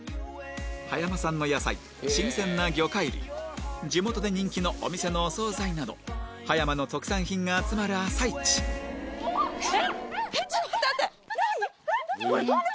葉山産の野菜新鮮な魚介類地元で人気のお店のお惣菜など葉山の特産品が集まる朝市おっえっ！？